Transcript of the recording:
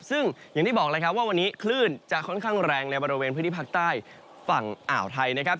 ซึ่งอย่างที่บอกเลยครับว่าวันนี้คลื่นจะค่อนข้างแรงในบริเวณพื้นที่ภาคใต้ฝั่งอ่าวไทยนะครับ